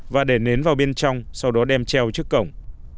và để nến vào bên trong sau đó đem treo trước cổng